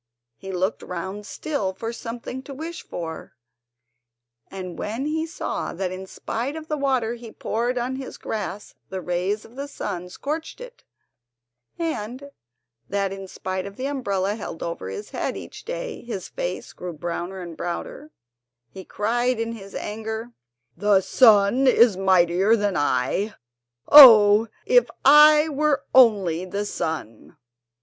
He looked round still for something to wish for, and when he saw that in spite of the water he poured on his grass the rays of the sun scorched it, and that in spite of the umbrella held over his head each day his face grew browner and browner, he cried in his anger: "The sun is mightier than I; oh, if I were only the sun!"